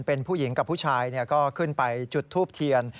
เป็นผู้หญิงกับผู้ชายก็ขึ้นไปจุดทูบเทียน